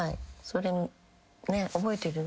それね覚えてる？